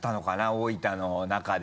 大分の中で。